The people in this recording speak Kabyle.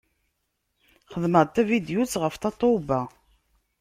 Xedmeɣ-d tavidyut ɣef Tatoeba.